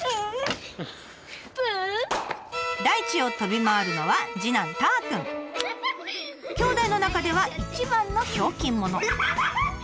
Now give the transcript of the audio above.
大地を飛び回るのはきょうだいの中では一番のひょうきん者。